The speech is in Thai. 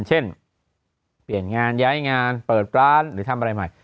เช่นเปลี่ยนงานย้ายงานเปิดร้านหรือทำอะไรใหม่